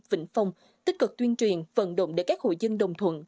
vĩnh phong tích cực tuyên truyền vận động để các hội dân đồng thuận